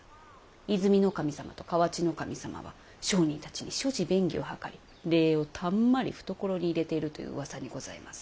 和泉守様と河内守様は商人たちに諸事便宜を図り礼をたんまり懐に入れているという噂にございます。